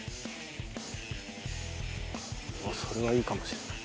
それはいいかもしれない。